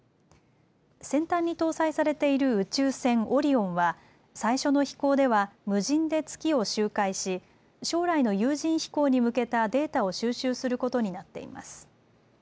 先端に搭載されている宇宙船、オリオンは最初の飛行では無人で月を周回し将来の有人飛行に向けたデータを収集することになっています。